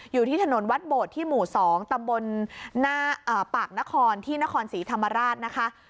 อยู่ที่ถนนวัดโบดที่หมู่๒ตำบลปากนครที่นครศรีธรรมราชนะคะ